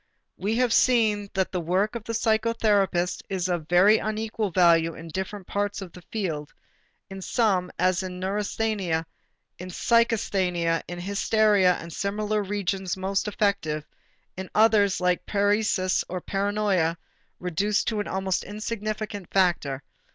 We have seen that the work of the psychotherapist is of very unequal value in different parts of the field; in some, as in neurasthenia, in psychasthenia, in hysteria and similar regions most effective, in others like paresis or paranoia reduced to an almost insignificant factor.